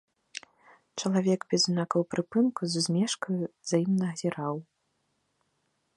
Чалавек без знакаў прыпынку з усмешкаю за ім назіраў.